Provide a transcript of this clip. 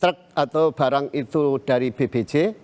truk atau barang itu dari bbj